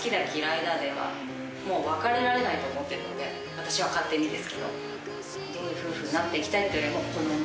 私は勝手にですけど。